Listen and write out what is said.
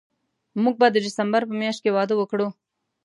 موږ به د ډسمبر په میاشت کې واده وکړو